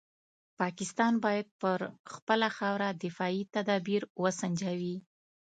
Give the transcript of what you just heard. پاکستان باید پر خپله خاوره دفاعي تدابیر وسنجوي.